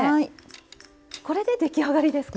これで出来上がりですか？